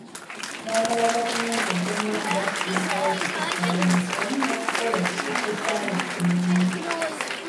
Baagala gavumenti eddemu okubakkiriza okutikka abantu wamu n'okukola okusukka essaawa ekkumi n'emu.